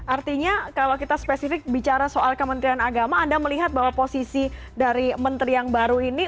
artinya kalau kita spesifik bicara soal kementerian agama anda melihat bahwa posisi dari menteri yang baru ini